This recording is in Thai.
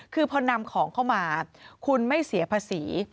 คือพอนำของเข้ามาคุณไม่เสียภาษี